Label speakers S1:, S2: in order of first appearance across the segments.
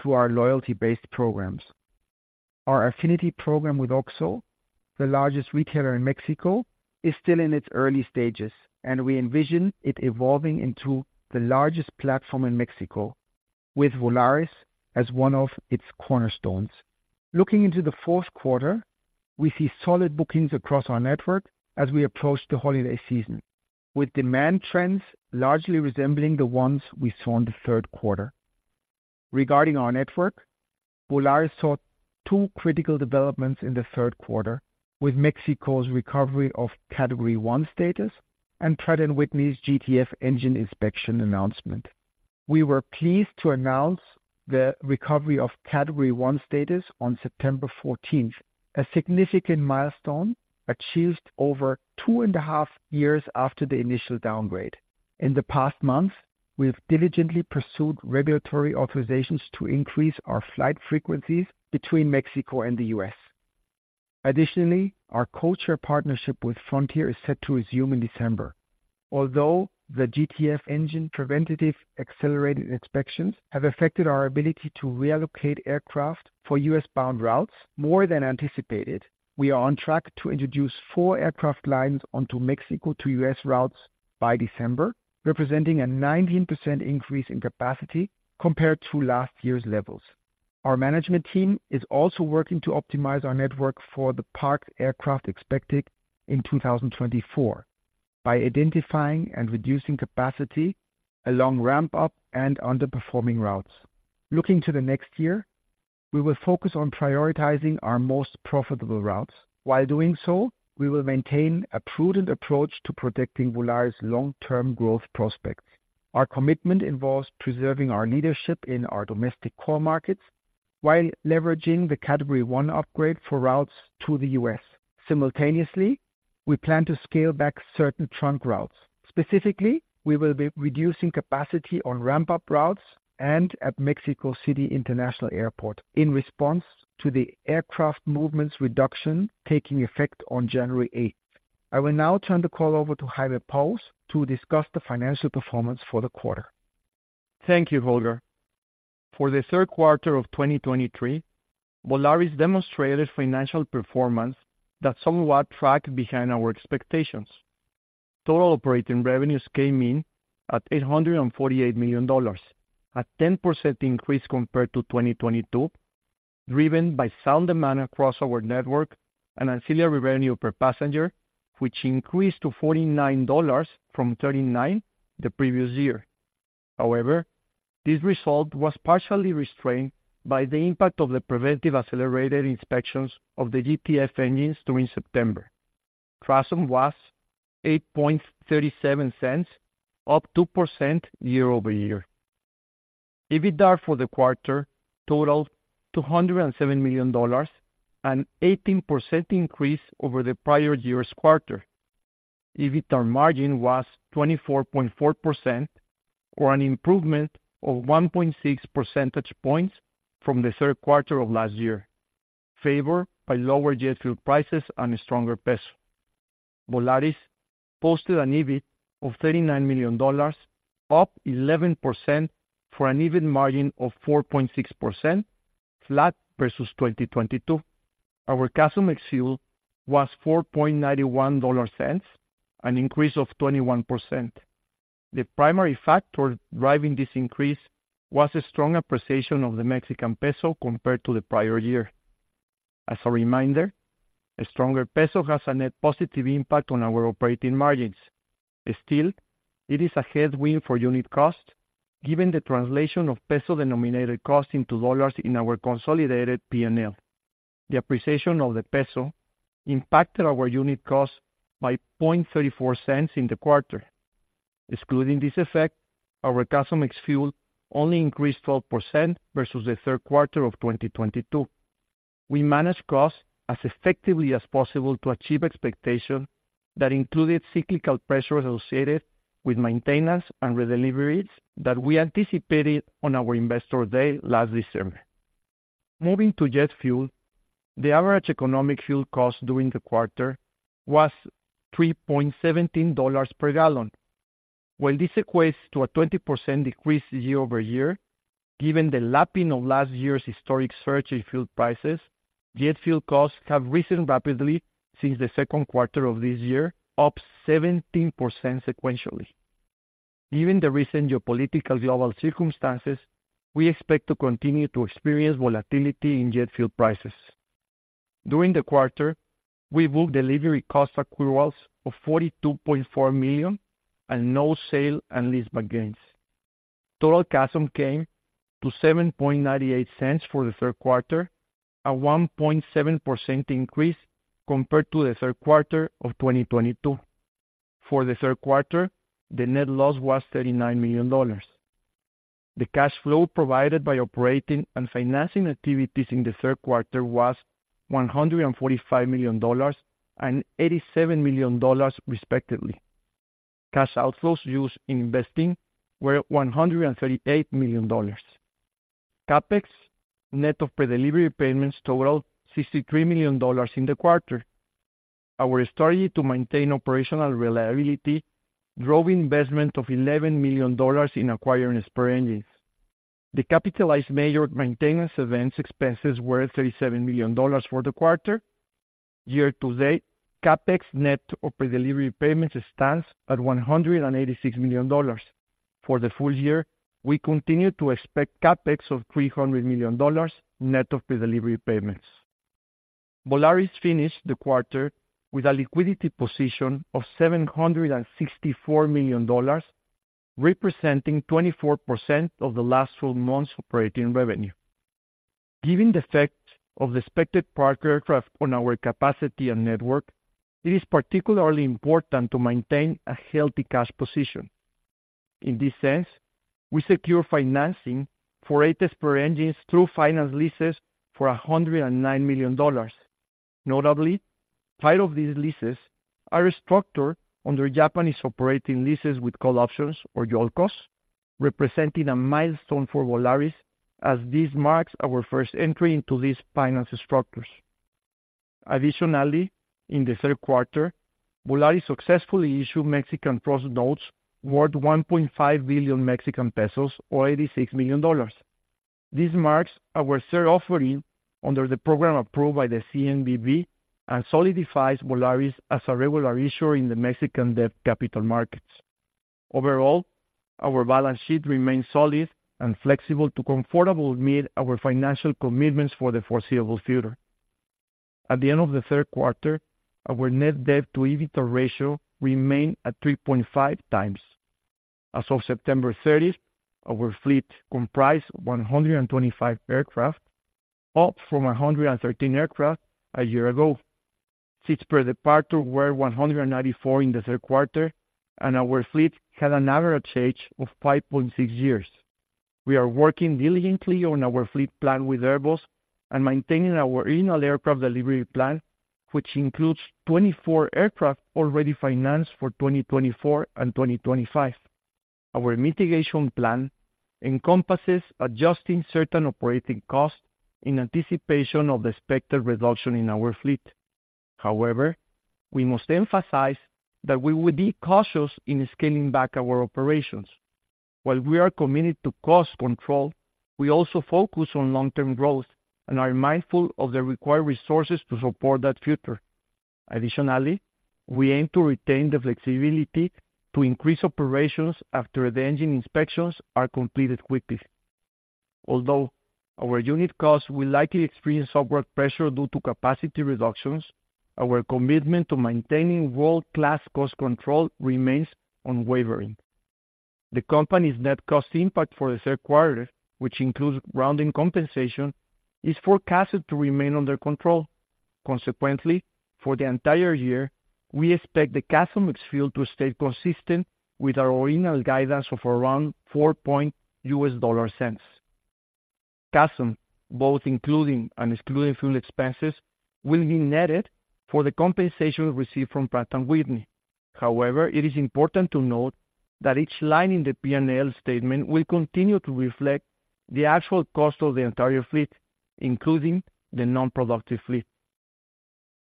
S1: through our loyalty-based programs. Our affinity program with OXXO, the largest retailer in Mexico, is still in its early stages, and we envision it evolving into the largest platform in Mexico, with Volaris as one of its cornerstones. Looking into the fourth quarter, we see solid bookings across our network as we approach the holiday season, with demand trends largely resembling the ones we saw in the third quarter. Regarding our network, Volaris saw two critical developments in the third quarter, with Mexico's recovery of Category One status and Pratt & Whitney's GTF engine inspection announcement. We were pleased to announce the recovery of Category One status on September fourteenth, a significant milestone achieved over two and a half years after the initial downgrade. In the past month, we've diligently pursued regulatory authorizations to increase our flight frequencies between Mexico and the U.S. Additionally, our codeshare partnership with Frontier is set to resume in December. Although the GTF engine preventative accelerated inspections have affected our ability to reallocate aircraft for U.S.-bound routes more than anticipated, we are on track to introduce four aircraft lines onto Mexico to U.S. routes by December, representing a 19% increase in capacity compared to last year's levels. Our management team is also working to optimize our network for the parked aircraft expected in 2024, by identifying and reducing capacity along ramp-up and underperforming routes. Looking to the next year, we will focus on prioritizing our most profitable routes. While doing so, we will maintain a prudent approach to protecting Volaris' long-term growth prospects. Our commitment involves preserving our leadership in our domestic core markets while leveraging the Category One upgrade for routes to the U.S. Simultaneously, we plan to scale back certain trunk routes. Specifically, we will be reducing capacity on ramp-up routes and at Mexico City International Airport in response to the aircraft movements reduction taking effect on January eighth. I will now turn the call over to Jaime Pous to discuss the financial performance for the quarter.
S2: Thank you, Holger. For the third quarter of 2023, Volaris demonstrated financial performance that somewhat tracked behind our expectations. Total operating revenues came in at $848 million, a 10% increase compared to 2022, driven by sound demand across our network and ancillary revenue per passenger, which increased to $49 from $39 the previous year. However, this result was partially restrained by the impact of the preventive accelerated inspections of the GTF engines during September. CASM was $0.0837, up 2% year-over-year. EBITDA for the quarter totaled $207 million, an 18% increase over the prior year's quarter. EBITDA margin was 24.4%, or an improvement of 1.6 percentage points from the third quarter of last year, favored by lower jet fuel prices and a stronger peso. Volaris posted an EBIT of $39 million, up 11% for an EBIT margin of 4.6%, flat versus 2022. Our CASM ex-fuel was $0.0491, an increase of 21%. The primary factor driving this increase was a strong appreciation of the Mexican peso compared to the prior year. As a reminder, a stronger peso has a net positive impact on our operating margins. Still, it is a headwind for unit costs, given the translation of peso-denominated costs into dollars in our consolidated P&L. The appreciation of the peso impacted our unit costs by $0.0034 in the quarter. Excluding this effect, our CASM ex-fuel only increased 12% versus the third quarter of 2022. We managed costs as effectively as possible to achieve expectations that included cyclical pressures associated with maintenance and redeliveries that we anticipated on our Investor Day last December. Moving to jet fuel, the average economic fuel cost during the quarter was $3.17 per gallon. While this equates to a 20% decrease year-over-year, given the lapping of last year's historic surge in fuel prices, jet fuel costs have risen rapidly since the second quarter of this year, up 17% sequentially. Given the recent geopolitical global circumstances, we expect to continue to experience volatility in jet fuel prices. During the quarter, we booked delivery cost accruals of $42.4 million and no sale and leaseback gains. Total CASM came to $0.0798 for the third quarter, a 1.7% increase compared to the third quarter of 2022. For the third quarter, the net loss was $39 million. The cash flow provided by operating and financing activities in the third quarter was $145 million and $87 million, respectively. Cash outflows used in investing were $138 million. CapEx, net of pre-delivery payments, totaled $63 million in the quarter. Our strategy to maintain operational reliability drove investment of $11 million in acquiring spare engines. The capitalized major maintenance events expenses were $37 million for the quarter. Year-to-date, CapEx net of pre-delivery payments stands at $186 million. For the full year, we continue to expect CapEx of $300 million, net of pre-delivery payments. Volaris finished the quarter with a liquidity position of $764 million, representing 24% of the last full month's operating revenue. Given the effect of the expected parked aircraft on our capacity and network, it is particularly important to maintain a healthy cash position. In this sense, we secure financing for 8 spare engines through finance leases for $109 million. Notably, part of these leases are structured under Japanese operating leases with call options or JOLCOs, representing a milestone for Volaris, as this marks our first entry into these finance structures. Additionally, in the third quarter, Volaris successfully issued Mexican trust notes worth 1.5 billion Mexican pesos, or $86 million. This marks our third offering under the program approved by the CNBV, and solidifies Volaris as a regular issuer in the Mexican debt capital markets. Overall, our balance sheet remains solid and flexible to comfortably meet our financial commitments for the foreseeable future. At the end of the third quarter, our net debt to EBITDA ratio remained at 3.5 times. As of September 30th, our fleet comprised 125 aircraft, up from 113 aircraft a year ago. Seats per departure were 194 in the third quarter, and our fleet had an average age of 5.6 years. We are working diligently on our fleet plan with Airbus and maintaining our original aircraft delivery plan, which includes 24 aircraft already financed for 2024 and 2025. Our mitigation plan encompasses adjusting certain operating costs in anticipation of the expected reduction in our fleet. However, we must emphasize that we will be cautious in scaling back our operations. While we are committed to cost control, we also focus on long-term growth and are mindful of the required resources to support that future. Additionally, we aim to retain the flexibility to increase operations after the engine inspections are completed quickly. Although our unit costs will likely experience upward pressure due to capacity reductions, our commitment to maintaining world-class cost control remains unwavering. The company's net cost impact for the third quarter, which includes grounding compensation, is forecasted to remain under control. Consequently, for the entire year, we expect the CASM ex-fuel to stay consistent with our original guidance of around $0.04. CASM, both including and excluding fuel expenses, will be netted for the compensation received from Pratt & Whitney. However, it is important to note that each line in the P&L statement will continue to reflect the actual cost of the entire fleet, including the non-productive fleet.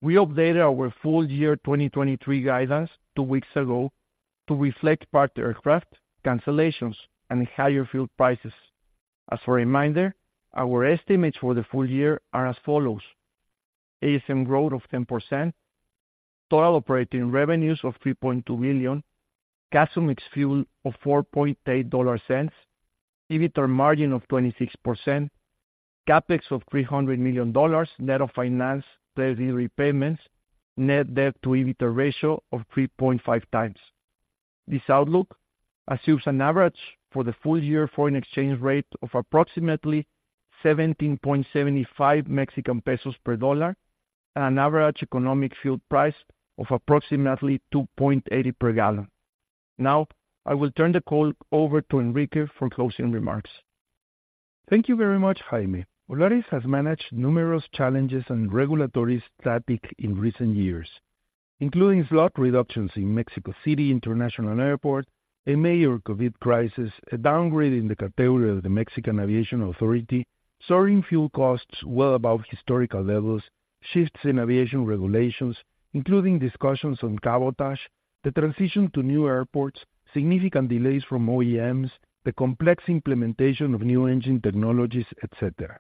S2: We updated our full year 2023 guidance two weeks ago to reflect parked aircraft, cancellations, and higher fuel prices. As a reminder, our estimates for the full year are as follows: ASM growth of 10%, total operating revenues of $3.2 billion, CASM ex-fuel of $0.048, EBITDA margin of 26%, CapEx of $300 million net of finance pre-delivery payments, net debt to EBITDA ratio of 3.5x. This outlook assumes an average for the full year foreign exchange rate of approximately 17.75 Mexican pesos per dollar, and an average economic fuel price of approximately $2.80 per gallon. Now, I will turn the call over to Enrique for closing remarks.
S3: Thank you very much, Jaime. Volaris has managed numerous challenges and regulatory static in recent years, including slot reductions in Mexico City International Airport, a major COVID crisis, a downgrade in the category of the Mexican Aviation Authority, soaring fuel costs well above historical levels, shifts in aviation regulations, including discussions on cabotage, the transition to new airports, significant delays from OEMs, the complex implementation of new engine technologies, et cetera.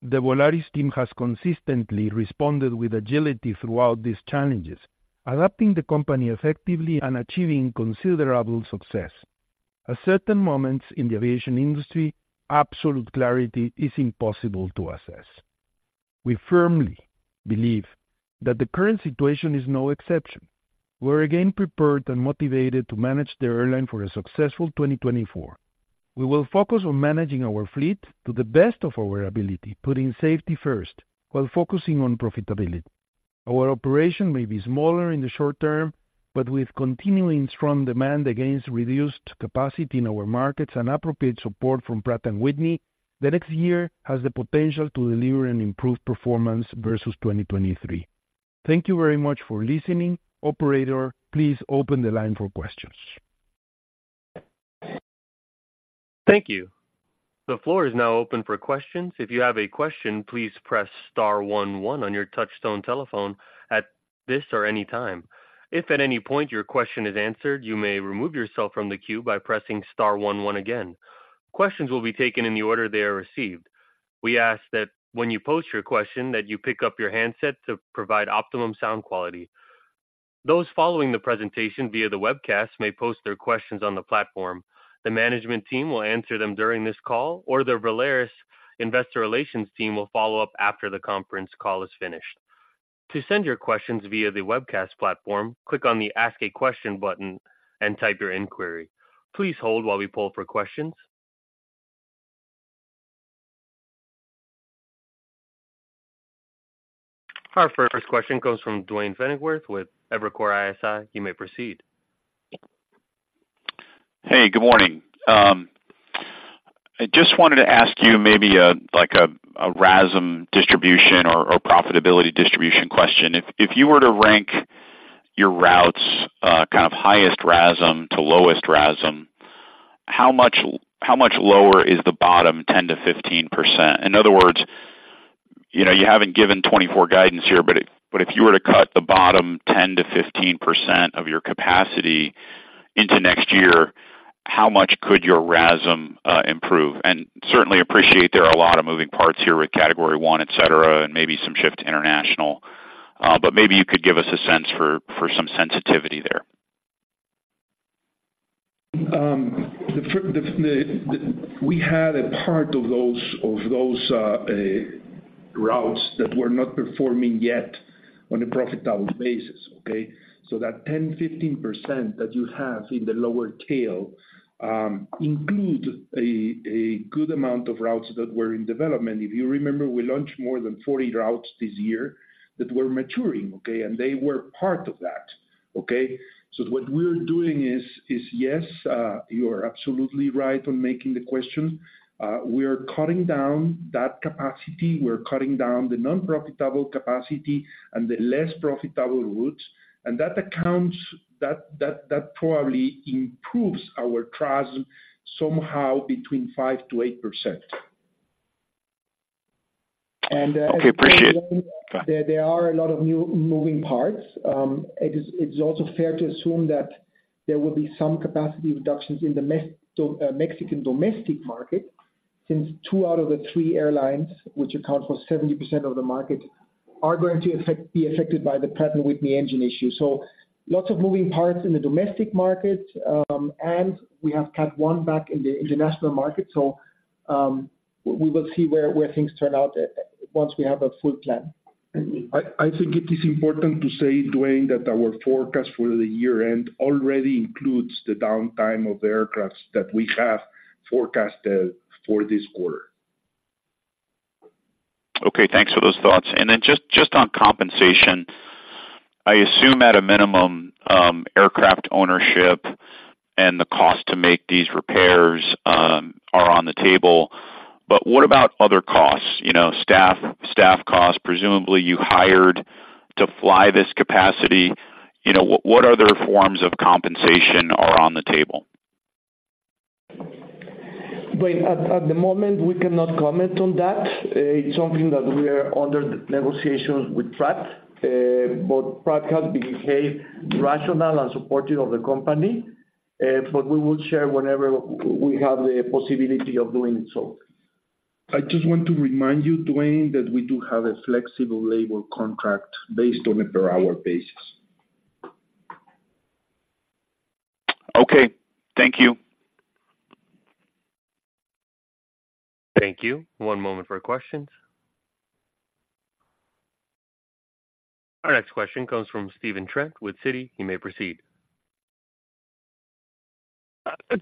S3: The Volaris team has consistently responded with agility throughout these challenges, adapting the company effectively and achieving considerable success. At certain moments in the aviation industry, absolute clarity is impossible to assess. We firmly believe that the current situation is no exception. We're again prepared and motivated to manage the airline for a successful 2024. We will focus on managing our fleet to the best of our ability, putting safety first while focusing on profitability. Our operation may be smaller in the short term, but with continuing strong demand against reduced capacity in our markets and appropriate support from Pratt & Whitney, the next year has the potential to deliver an improved performance versus 2023. Thank you very much for listening. Operator, please open the line for questions.
S4: Thank you. The floor is now open for questions. If you have a question, please press star one one on your touchtone telephone at this or any time. If at any point your question is answered, you may remove yourself from the queue by pressing star one one again. Questions will be taken in the order they are received. We ask that when you post your question, that you pick up your handset to provide optimum sound quality. Those following the presentation via the webcast may post their questions on the platform. The management team will answer them during this call, or the Volaris investor relations team will follow up after the conference call is finished. To send your questions via the webcast platform, click on the Ask a Question button and type your inquiry. Please hold while we poll for questions. Our first question comes from Duane Pfennigwerth with Evercore ISI. You may proceed.
S5: Hey, good morning. I just wanted to ask you maybe a RASM distribution or profitability distribution question. If you were to rank your routes kind of highest RASM to lowest RASM, how much lower is the bottom 10%-15%? In other words, you know, you haven't given 2024 guidance here, but if you were to cut the bottom 10%-15% of your capacity into next year, how much could your RASM improve? And certainly appreciate there are a lot of moving parts here with Category One, et cetera, and maybe some shift to international. But maybe you could give us a sense for some sensitivity there.
S3: We had a part of those, of those, routes that were not performing yet on a profitable basis, okay? So that 10, 15% that you have in the lower tail include a good amount of routes that were in development. If you remember, we launched more than 40 routes this year that were maturing, okay? And they were part of that, okay? So what we're doing is, yes, you are absolutely right on making the question. We are cutting down that capacity. We're cutting down the non-profitable capacity and the less profitable routes, and that accounts, that probably improves our RASM somehow between 5%-8%.
S5: Okay, appreciate it.
S1: There are a lot of new moving parts. It's also fair to assume that there will be some capacity reductions in the Mexican domestic market, since two out of the three airlines, which account for 70% of the market, are going to be affected by the Pratt & Whitney engine issue. So lots of moving parts in the domestic market, and we have Cat One back in the international market, so we will see where things turn out once we have a full plan.
S3: I think it is important to say, Duane, that our forecast for the year-end already includes the downtime of the aircraft that we have forecasted for this quarter.
S5: Okay, thanks for those thoughts. And then just on compensation, I assume at a minimum, aircraft ownership and the cost to make these repairs are on the table. But what about other costs? You know, staff costs, presumably you hired to fly this capacity. You know, what other forms of compensation are on the table?
S1: Duane, at the moment, we cannot comment on that. It's something that we are under negotiations with Pratt, but Pratt has behaved rational and supportive of the company, but we will share whenever we have the possibility of doing so.
S3: I just want to remind you, Duane, that we do have a flexible labor contract based on a per hour basis.
S5: Okay. Thank you.
S4: Thank you. One moment for questions. Our next question comes from Stephen Trent with Citi. He may proceed.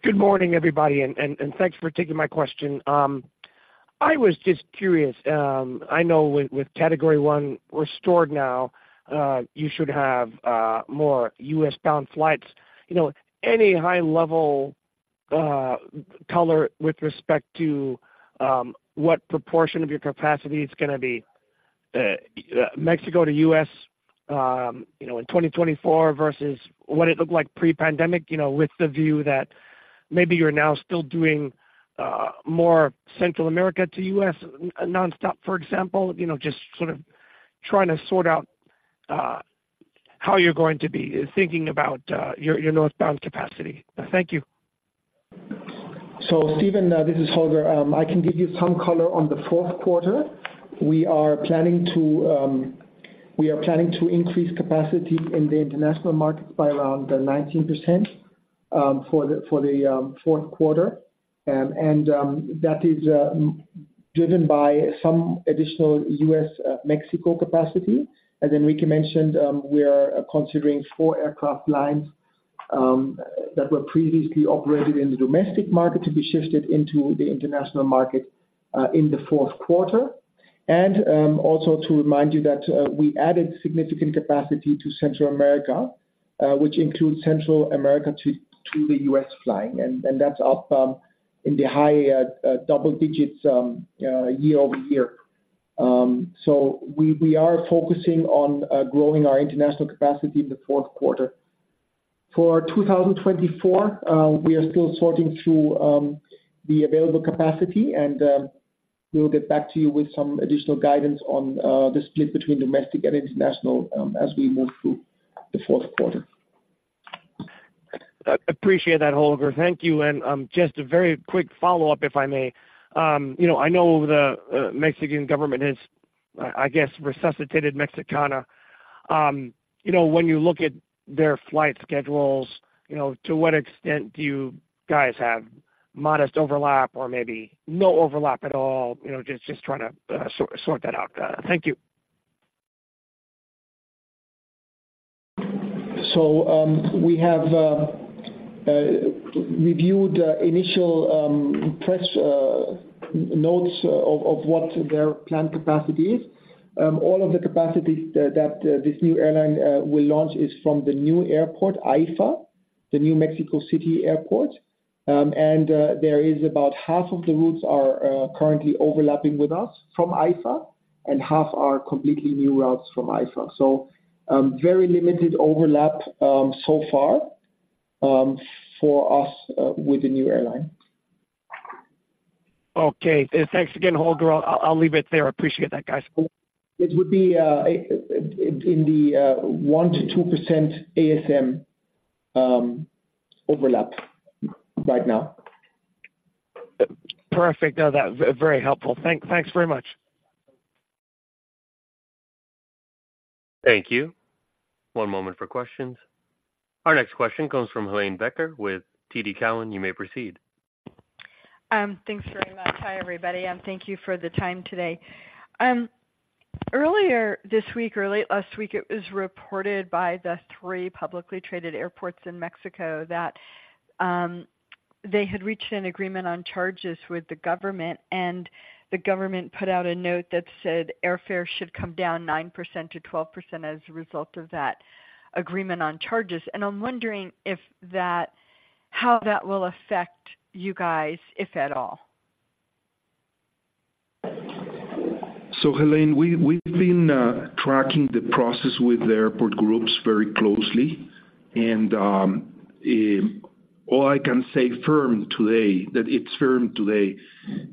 S6: Good morning, everybody, and thanks for taking my question. I was just curious. I know with Category One restored now, you should have more U.S.-bound flights. You know, any high-level color with respect to what proportion of your capacity is gonna be Mexico to U.S., you know, in 2024 versus what it looked like pre-pandemic, you know, with the view that maybe you're now still doing more Central America to U.S. nonstop, for example? You know, just sort of trying to sort out how you're going to be thinking about your northbound capacity. Thank you.
S1: So Stephen, this is Holger. I can give you some color on the fourth quarter. We are planning to increase capacity in the international markets by around 19% for the fourth quarter. And that is driven by some additional U.S. Mexico capacity. And then Enrique mentioned we are considering four aircraft lines that were previously operated in the domestic market to be shifted into the international market in the fourth quarter. And also to remind you that we added significant capacity to Central America, which includes Central America to the U.S. flying, and that's up in the high double digits year-over-year. So we are focusing on growing our international capacity in the fourth quarter. For 2024, we are still sorting through the available capacity, and we will get back to you with some additional guidance on the split between domestic and international, as we move through the fourth quarter.
S6: I appreciate that, Holger. Thank you. Just a very quick follow-up, if I may. You know, I know the Mexican government has, I guess, resuscitated Mexicana. You know, when you look at their flight schedules, you know, to what extent do you guys have modest overlap or maybe no overlap at all? You know, just trying to sort that out. Thank you.
S1: We have reviewed initial press notes of what their planned capacity is. All of the capacities that this new airline will launch is from the new airport, AIFA , the new Mexico City airport. There is about half of the routes are currently overlapping with us from AIFA, and half are completely new routes from AIFA. Very limited overlap so far for us with the new airline.
S6: Okay. Thanks again, Holger. I'll leave it there. I appreciate that, guys.
S1: It would be in the 1%-2% ASM overlap right now.
S6: Perfect. No, that's very helpful. Thanks very much.
S4: Thank you. One moment for questions. Our next question comes from Helane Becker with TD Cowen. You may proceed.
S7: Thanks very much. Hi, everybody, and thank you for the time today. Earlier this week or late last week, it was reported by the three publicly traded airports in Mexico that they had reached an agreement on charges with the government, and the government put out a note that said airfare should come down 9%-12% as a result of that agreement on charges. And I'm wondering if that... how that will affect you guys, if at all?
S3: So, Helane, we've been tracking the process with the airport groups very closely. And all I can say firm today, that it's firm today,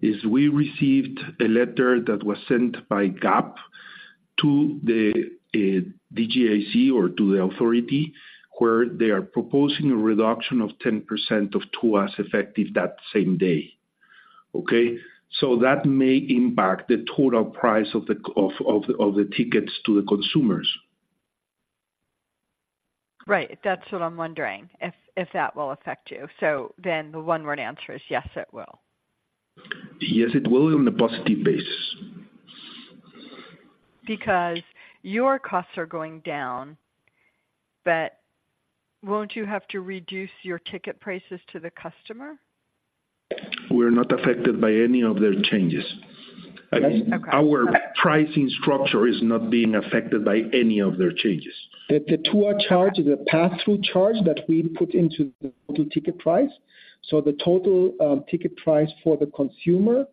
S3: is we received a letter that was sent by GAP to the DGAC or to the authority, where they are proposing a reduction of 10% of TUAs, effective that same day. Okay? So that may impact the total price of the cost of the tickets to the consumers.
S7: Right. That's what I'm wondering, if, if that will affect you. So then the one-word answer is, yes, it will.
S3: Yes, it will, on a positive basis.
S7: Because your costs are going down, but won't you have to reduce your ticket prices to the customer?
S3: We're not affected by any of their changes.
S7: Okay.
S3: Our pricing structure is not being affected by any of their changes.
S1: The TUAs charge is a pass-through charge that we put into the total ticket price. So the total ticket price for the consumer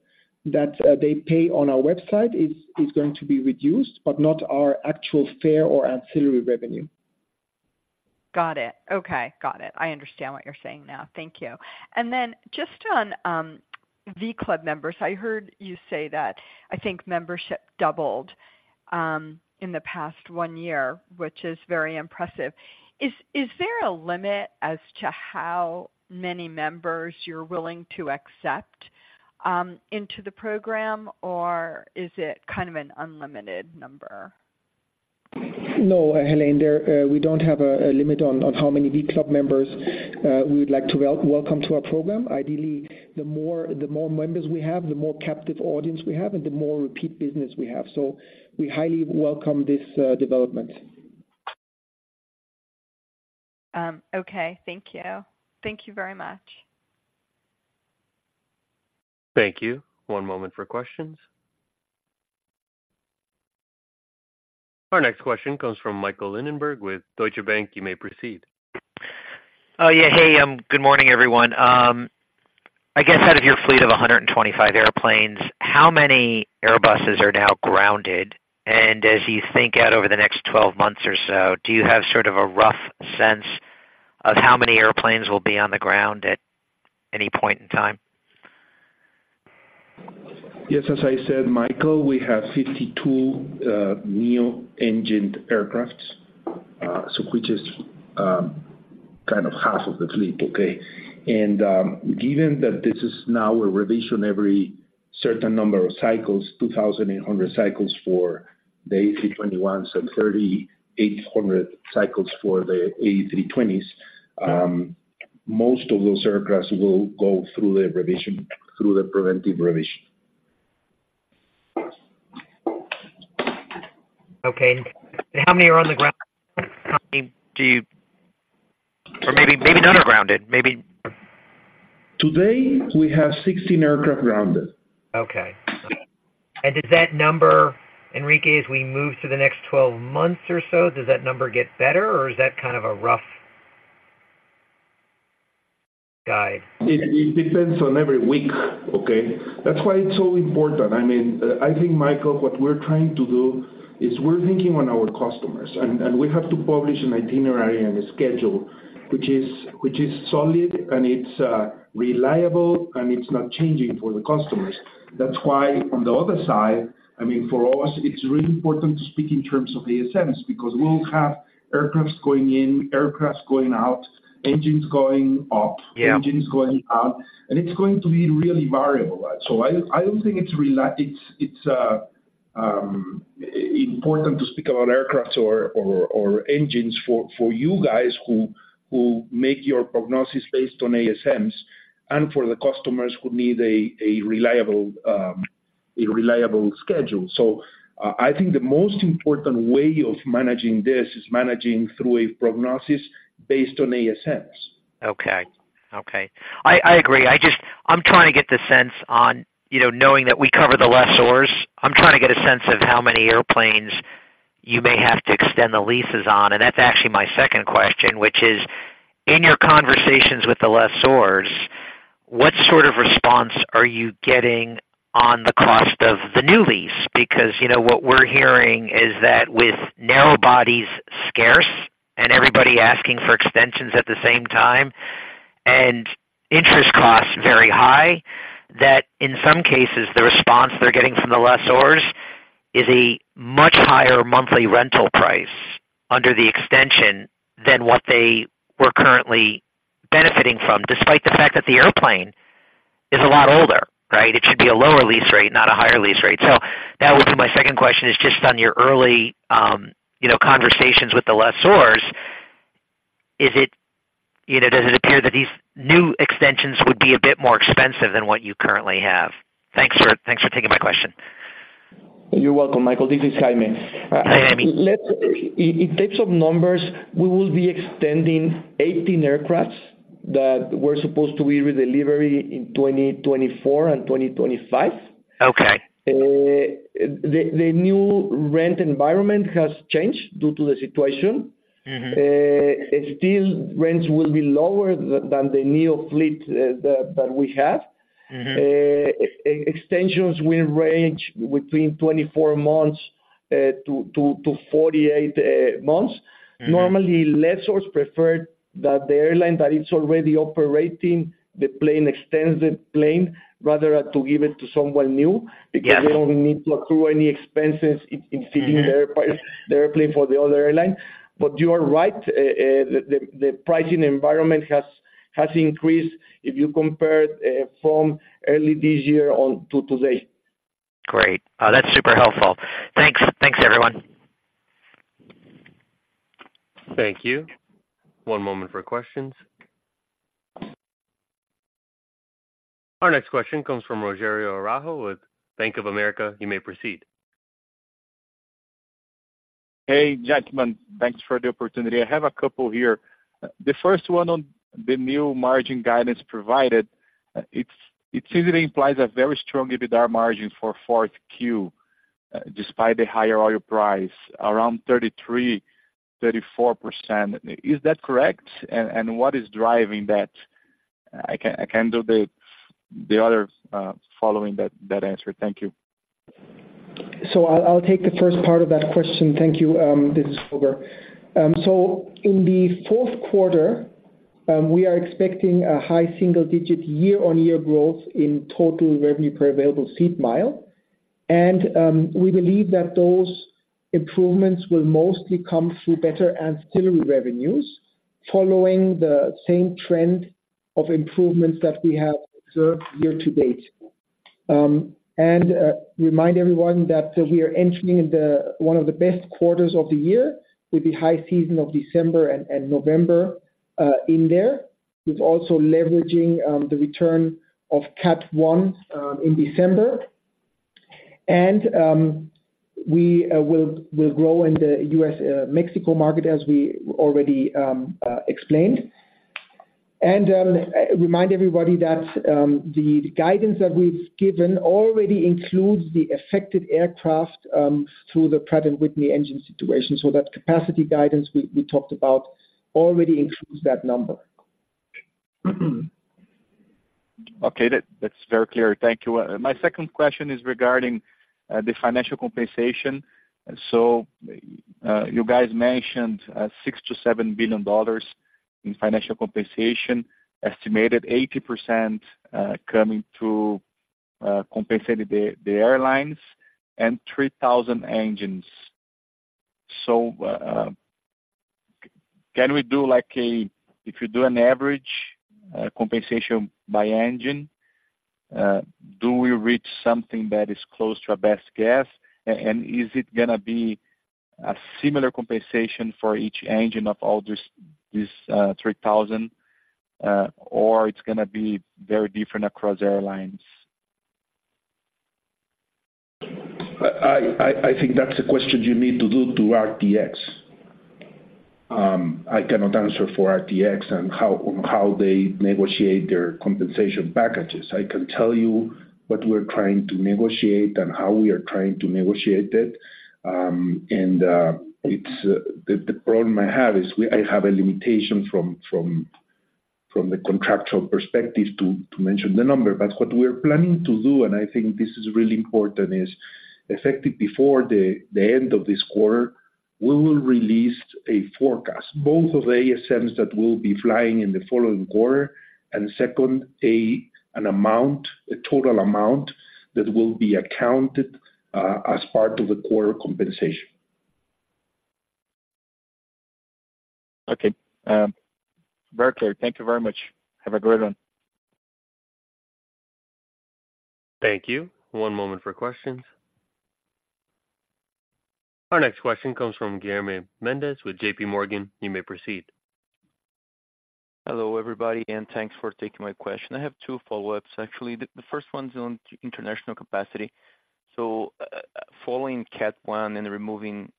S1: that they pay on our website is going to be reduced, but not our actual fare or ancillary revenue.
S7: Got it. Okay. Got it. I understand what you're saying now. Thank you. And then just on v.club members, I heard you say that, I think, membership doubled in the past one year, which is very impressive. Is there a limit as to how many members you're willing to accept into the program, or is it kind of an unlimited number?
S1: No, Helane, we don't have a limit on how many v.club members we would like to welcome to our program. Ideally, the more members we have, the more captive audience we have and the more repeat business we have. So we highly welcome this development.
S7: Okay. Thank you. Thank you very much.
S4: Thank you. One moment for questions. Our next question comes from Michael Linenberg with Deutsche Bank. You may proceed.
S8: Yeah. Hey, good morning, everyone. I guess, out of your fleet of 125 airplanes, how many Airbuses are now grounded? And as you think out over the next 12 months or so, do you have sort of a rough sense of how many airplanes will be on the ground at any point in time?
S3: Yes, as I said, Michael, we have 52 neo-engined aircraft, so which is kind of half of the fleet, okay? Given that this is now a revision every certain number of cycles, 2,800 cycles for the A321s and 3,800 cycles for the A320s, most of those aircraft will go through the revision, through the preventive revision.
S8: Okay. And how many are on the ground? How many do you... Or maybe, maybe none are grounded, maybe-
S3: Today, we have 16 aircraft grounded.
S8: Okay. And does that number, Enrique, as we move to the next 12 months or so, does that number get better, or is that kind of a rough-
S3: It depends on every week, okay? That's why it's so important. I mean, I think, Michael, what we're trying to do is we're thinking on our customers, and we have to publish an itinerary and a schedule, which is solid, and it's reliable, and it's not changing for the customers. That's why on the other side, I mean, for us, it's really important to speak in terms of ASMs, because we'll have aircrafts going in, aircrafts going out, engines going up-
S8: Yeah.
S3: engines going out, and it's going to be really variable. So I don't think it's relevant—it's important to speak about aircraft or engines for you guys who make your projections based on ASMs and for the customers who need a reliable schedule. So I think the most important way of managing this is managing through a projection based on ASMs.
S8: Okay. Okay. I, I agree. I just... I'm trying to get the sense on, you know, knowing that we cover the lessors, I'm trying to get a sense of how many airplanes you may have to extend the leases on, and that's actually my second question, which is: In your conversations with the lessors, what sort of response are you getting on the cost of the new lease? Because, you know, what we're hearing is that with narrow bodies scarce, and everybody asking for extensions at the same time, and interest costs very high, that in some cases, the response they're getting from the lessors is a much higher monthly rental price under the extension than what they were currently benefiting from, despite the fact that the airplane is a lot older, right? It should be a lower lease rate, not a higher lease rate. So that would be my second question, is just on your early, you know, conversations with the lessors, you know, does it appear that these new extensions would be a bit more expensive than what you currently have? Thanks for taking my question.
S2: You're welcome, Michael. This is Jaime.
S8: Hi, Jaime.
S2: In types of numbers, we will be extending 18 aircraft that were supposed to be redelivered in 2024 and 2025.
S8: Okay.
S2: The new rent environment has changed due to the situation.
S8: Mm-hmm.
S2: Still, rents will be lower than the new fleet that we have.
S8: Mm-hmm.
S2: Extensions will range between 24-48 months.
S8: Mm-hmm.
S2: Normally, lessors prefer that the airline that is already operating the plane extends the plane, rather to give it to someone new-
S8: Yeah.
S2: because they don't need to go through any expenses in seeking the airplane for the other airline. But you are right, the pricing environment has increased if you compare from early this year on to today.
S8: Great. That's super helpful. Thanks. Thanks, everyone.
S4: Thank you. One moment for questions. Our next question comes from Rogério Araújo with Bank of America. You may proceed.
S9: Hey, gentlemen. Thanks for the opportunity. I have a couple here. The first one on the new margin guidance provided, it simply implies a very strong EBITDA margin for fourth Q, despite the higher oil price, around 33%-34%. Is that correct? And what is driving that? I can do the other following that answer. Thank you.
S1: So I'll take the first part of that question. Thank you. This is Holger. So in the fourth quarter, we are expecting a high single-digit year-on-year growth in total revenue per available seat mile. And we believe that those improvements will mostly come through better ancillary revenues, following the same trend of improvements that we have observed year to date. And remind everyone that we are entering in the one of the best quarters of the year, with the high season of December and November in there. We're also leveraging the return of Category One in December. And we will grow in the U.S.-Mexico market, as we already explained. Remind everybody that the guidance that we've given already includes the affected aircraft through the Pratt & Whitney engine situation. So that capacity guidance we talked about already includes that number.
S9: Okay. That, that's very clear. Thank you. My second question is regarding the financial compensation. You guys mentioned $6 billion-$7 billion in financial compensation, estimated 80% coming through compensating the airlines, and 3,000 engines. Can we do like a... If you do an average compensation by engine, do we reach something that is close to our best guess? And is it gonna be a similar compensation for each engine of all this, these 3,000, or it's gonna be very different across airlines?
S3: I think that's a question you need to do to RTX. I cannot answer for RTX on how they negotiate their compensation packages. I can tell you what we're trying to negotiate and how we are trying to negotiate it. The problem I have is I have a limitation from the contractual perspective to mention the number. But what we are planning to do, and I think this is really important, is effective before the end of this quarter, we will release a forecast, both of ASMs that will be flying in the following quarter, and second, a total amount that will be accounted as part of the quarter compensation.
S9: Okay. Very clear. Thank you very much. Have a great one.
S4: Thank you. One moment for questions. Our next question comes from Guilherme Mendes with JPMorgan. You may proceed.
S10: Hello, everybody, and thanks for taking my question. I have two follow-ups, actually. The first one's on international capacity. So, following Cat One and removing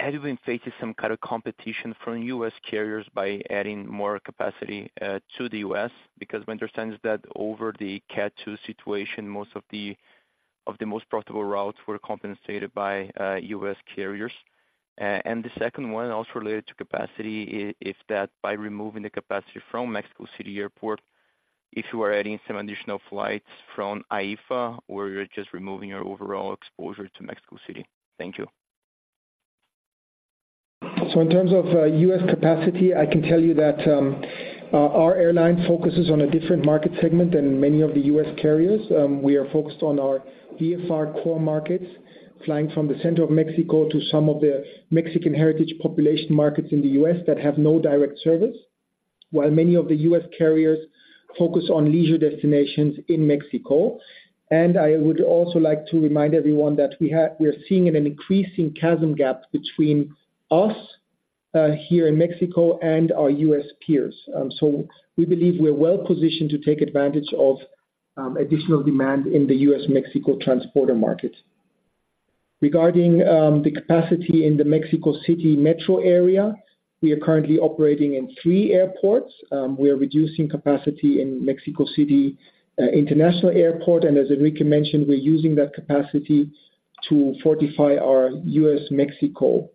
S10: and have you been facing some kind of competition from U.S. carriers by adding more capacity to the U.S.? Because my understanding is that over the Cat Two situation, most of the most profitable routes were compensated by U.S. carriers. And the second one, also related to capacity, if that by removing the capacity from Mexico City Airport, if you are adding some additional flights from AIFA, or you're just removing your overall exposure to Mexico City? Thank you.
S1: So in terms of U.S. capacity, I can tell you that our airline focuses on a different market segment than many of the U.S. carriers. We are focused on our VFR core markets, flying from the center of Mexico to some of the Mexican heritage population markets in the U.S. that have no direct service, while many of the U.S. carriers focus on leisure destinations in Mexico. I would also like to remind everyone that we are seeing an increasing CASM gap between us here in Mexico and our U.S. peers. So we believe we are well positioned to take advantage of additional demand in the U.S.-Mexico transporter market. Regarding the capacity in the Mexico City metro area, we are currently operating in three airports. We are reducing capacity in Mexico City International Airport, and as Enrique mentioned, we're using that capacity to fortify our U.S.-Mexico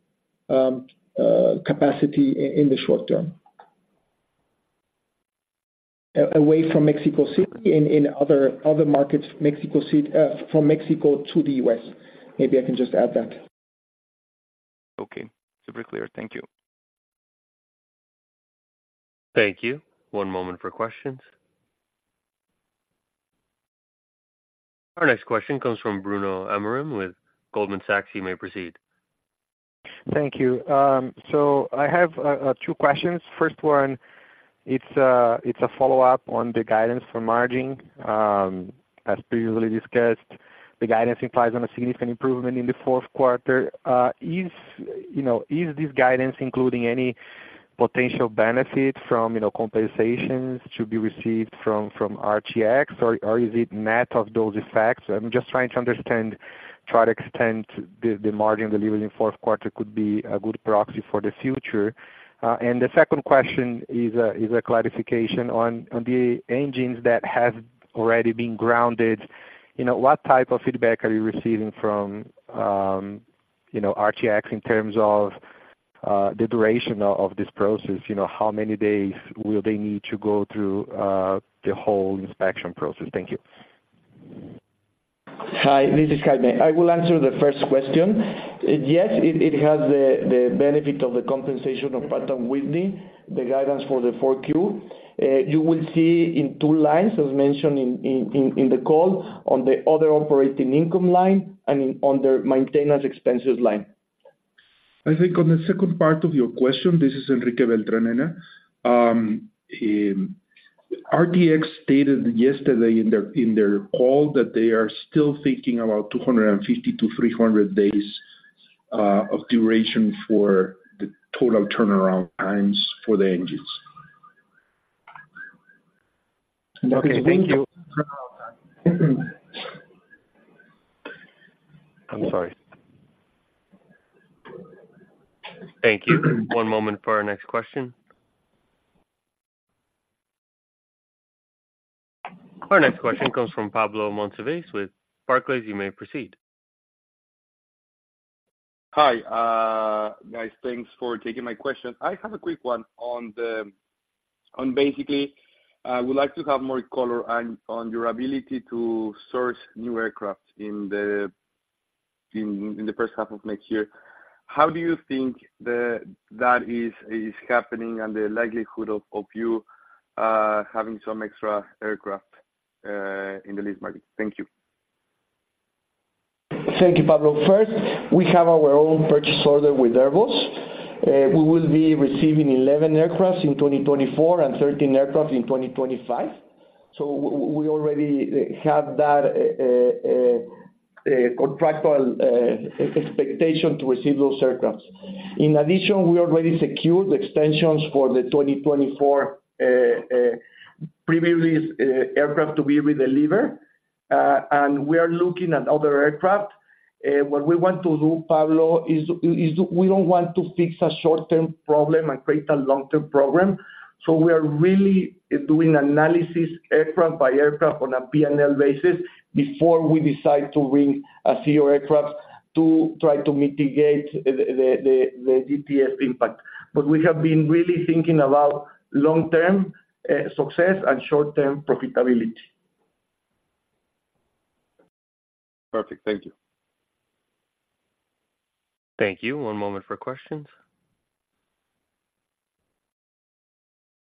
S1: capacity in the short term. Away from Mexico City, in other markets from Mexico to the U.S. Maybe I can just add that.
S10: Okay. Super clear. Thank you.
S4: Thank you. One moment for questions. Our next question comes from Bruno Amorim with Goldman Sachs. You may proceed.
S11: Thank you. So I have two questions. First one, it's a follow-up on the guidance for margin. As previously discussed, the guidance implies on a significant improvement in the fourth quarter. You know, is this guidance including any potential benefit from, you know, compensations to be received from RTX, or is it net of those effects? I'm just trying to understand the margin delivery in fourth quarter could be a good proxy for the future. And the second question is a clarification on the engines that have already been grounded. You know, what type of feedback are you receiving from RTX in terms of the duration of this process? You know, how many days will they need to go through the whole inspection process? Thank you.
S2: Hi, this is Jaime. I will answer the first question. Yes, it has the benefit of the compensation of Pratt & Whitney, the guidance for the 4Q. You will see in two lines, as mentioned in the call, on the other operating income line and on the maintenance expenses line.
S3: I think on the second part of your question, this is Enrique Beltranena. RTX stated yesterday in their, in their call that they are still thinking about 250-300 days of duration for the total turnaround times for the engines.
S11: Okay, thank you. I'm sorry.
S4: Thank you. One moment for our next question. Our next question comes from Pablo Monsivais with Barclays. You may proceed.
S12: Hi. Guys, thanks for taking my question. I have a quick one on the... On basically, I would like to have more color on your ability to source new aircraft in the first half of next year. How do you think that is happening and the likelihood of you having some extra aircraft in the lease market? Thank you.
S1: Thank you, Pablo. First, we have our own purchase order with Airbus. We will be receiving 11 aircraft in 2024 and 13 aircraft in 2025. So we already have that contractual expectation to receive those aircraft. In addition, we already secured extensions for the 2024 previous lease aircraft to be redelivered, and we are looking at other aircraft. What we want to do, Pablo, is we don't want to fix a short-term problem and create a long-term problem. So we are really doing analysis aircraft by aircraft on a P&L basis before we decide to bring a few aircraft to try to mitigate the GTF impact. But we have been really thinking about long-term success and short-term profitability.
S12: Perfect. Thank you.
S4: Thank you. One moment for questions.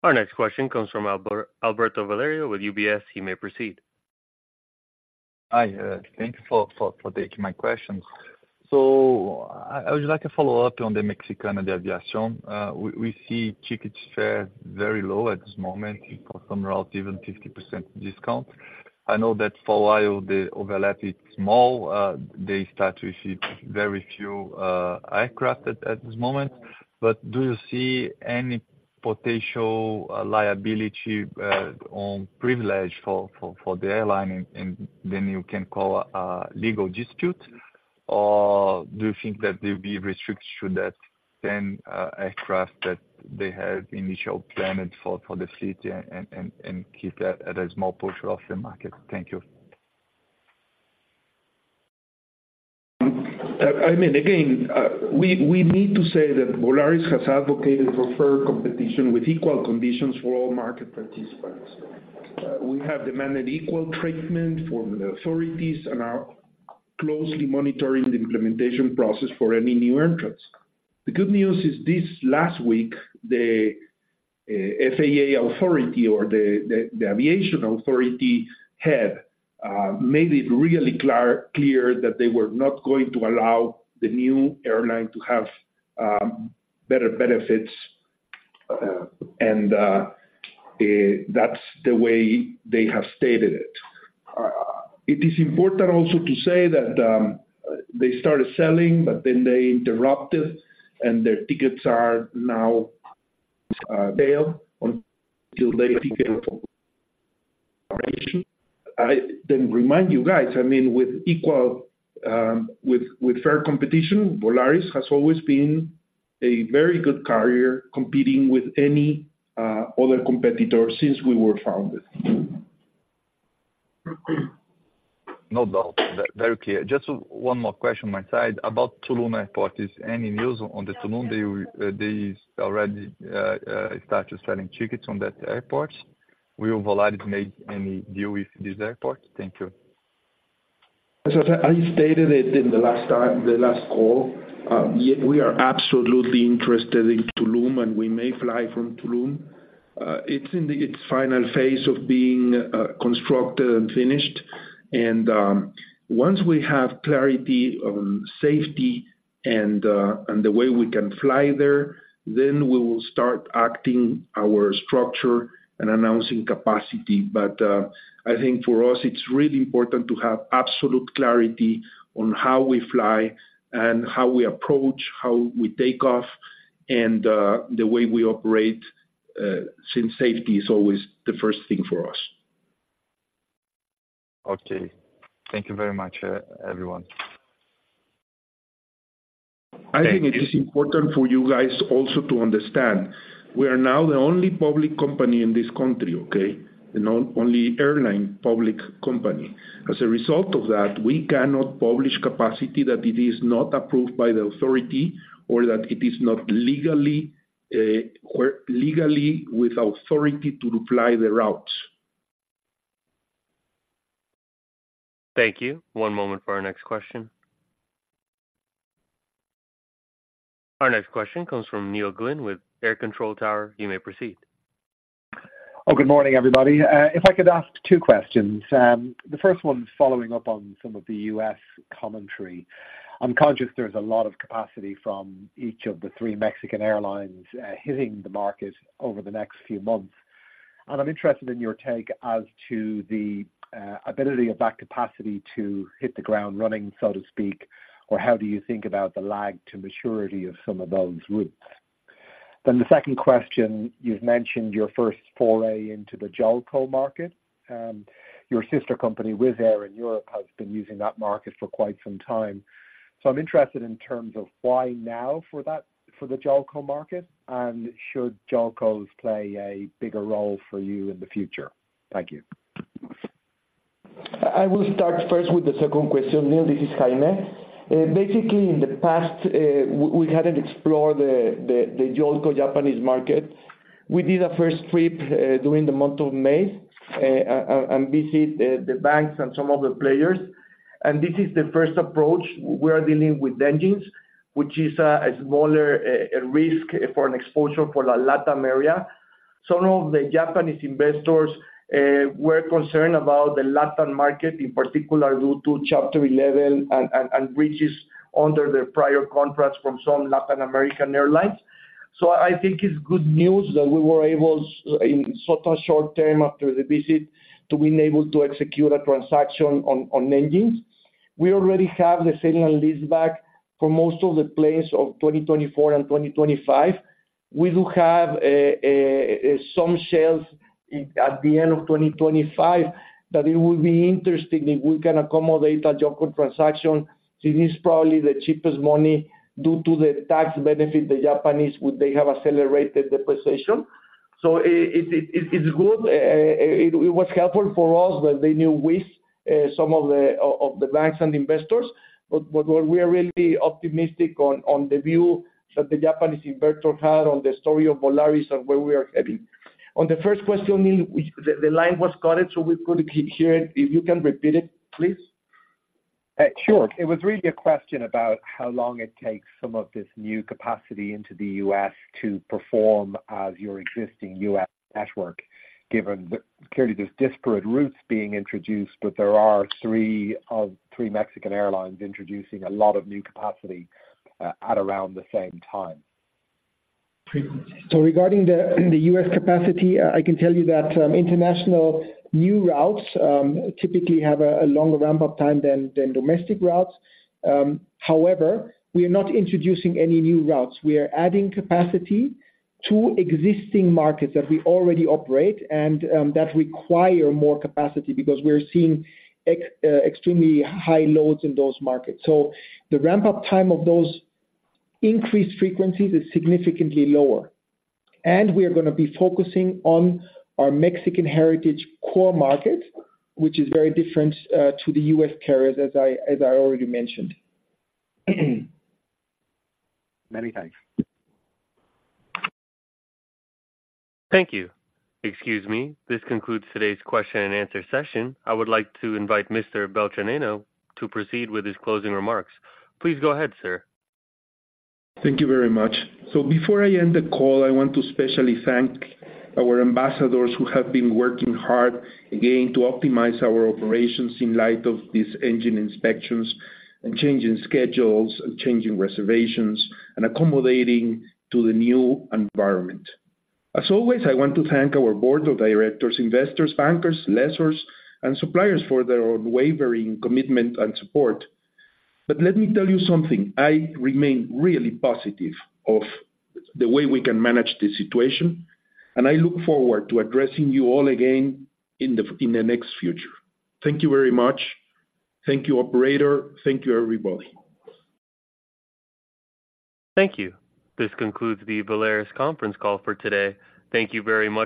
S4: Our next question comes from Alberto Valerio with UBS. He may proceed.
S13: Hi, thank you for taking my questions. So I would like to follow up on the Mexicana de Aviación. We see ticket fares very low at this moment, for some routes, even 50% discount. I know that for a while, the overlap is small. They start to receive very few aircraft at this moment. But do you see any potential liability on privilege for the airline, and then you can call a legal dispute? Or do you think that they'll be restricted to that 10 aircraft that they had initial planned for the city and keep that at a small portion of the market? Thank you.
S3: I mean, again, we need to say that Volaris has advocated for fair competition with equal conditions for all market participants. We have demanded equal treatment from the authorities and are closely monitoring the implementation process for any new entrants. The good news is this last week, the FAA authority or the aviation authority head made it really clear that they were not going to allow the new airline to have better benefits, and that's the way they have stated it. It is important also to say that they started selling, but then they interrupted, and their tickets are now available until they. I then remind you guys, I mean, with equal, with, with fair competition, Volaris has always been a very good carrier, competing with any other competitor since we were founded.
S13: No doubt. Very clear. Just one more question, my side, about Tulum Airport. Is any news on the Tulum? They, they already start selling tickets on that airport. Will Volaris make any deal with this airport? Thank you.
S3: As I stated it in the last time, the last call, yet we are absolutely interested in Tulum, and we may fly from Tulum. It's in its final phase of being constructed and finished, and once we have clarity on safety and the way we can fly there, then we will start acting our structure and announcing capacity. But I think for us, it's really important to have absolute clarity on how we fly and how we approach, how we take off, and the way we operate, since safety is always the first thing for us.
S13: Okay. Thank you very much, everyone.
S2: I think it is important for you guys also to understand, we are now the only public company in this country, okay? The only airline public company. As a result of that, we cannot publish capacity that it is not approved by the authority or that it is not legally, or legally with authority to fly the routes.
S4: Thank you. One moment for our next question. Our next question comes from Neil Glynn with AIR Control Tower. You may proceed.
S14: Oh, good morning, everybody. If I could ask two questions. The first one is following up on some of the U.S. commentary. I'm conscious there's a lot of capacity from each of the three Mexican airlines, hitting the market over the next few months, and I'm interested in your take as to the ability of that capacity to hit the ground running, so to speak, or how do you think about the lag to maturity of some of those routes? Then the second question, you've mentioned your first foray into the JOLCO market. Your sister company, Wizz Air in Europe, has been using that market for quite some time. So I'm interested in terms of why now for that, for the JOLCO market, and should JOLCOs play a bigger role for you in the future? Thank you.
S2: I will start first with the second question, Neil. This is Jaime. Basically, in the past, we hadn't explored the JOLCO Japanese market. We did a first trip during the month of May and visit the banks and some of the players. And this is the first approach. We are dealing with engines, which is a smaller risk for an exposure for the LatAm area. Some of the Japanese investors were concerned about the LatAm market, in particular, due to Chapter 11 and bridges under the prior contracts from some Latin American airlines. So I think it's good news that we were able, in such a short term after the visit, to being able to execute a transaction on engines. We already have the same leaseback for most of the planes of 2024 and 2025. We do have some sales at the end of 2025, that it would be interesting if we can accommodate a JOLCO transaction. It is probably the cheapest money due to the tax benefit the Japanese would they have accelerated the position. So it is good. It was helpful for us that they knew Wizz, some of the banks and investors. But we are really optimistic on the view that the Japanese investor had on the story of Volaris and where we are heading.
S1: On the first question, the line was cut, so we couldn't hear it. If you can repeat it, please?
S14: Sure. It was really a question about how long it takes some of this new capacity into the U.S. to perform as your existing U.S. network, given that clearly there's disparate routes being introduced, but there are three Mexican airlines introducing a lot of new capacity at around the same time.
S1: So regarding the U.S. capacity, I can tell you that international new routes typically have a longer ramp-up time than domestic routes. However, we are not introducing any new routes. We are adding capacity to existing markets that we already operate and that require more capacity because we are seeing extremely high loads in those markets. So the ramp-up time of those increased frequencies is significantly lower, and we are going to be focusing on our Mexican heritage core market, which is very different to the U.S. carriers, as I already mentioned.
S14: Many thanks.
S4: Thank you. Excuse me. This concludes today's question and answer session. I would like to invite Mr. Beltranena to proceed with his closing remarks. Please go ahead, sir.
S3: Thank you very much. So before I end the call, I want to specially thank our ambassadors, who have been working hard, again, to optimize our operations in light of these engine inspections and changing schedules and changing reservations and accommodating to the new environment. As always, I want to thank our board of directors, investors, bankers, lessors, and suppliers for their unwavering commitment and support. But let me tell you something, I remain really positive of the way we can manage this situation, and I look forward to addressing you all again in the next future. Thank you very much. Thank you, operator. Thank you, everybody.
S4: Thank you. This concludes the Volaris conference call for today. Thank you very much for-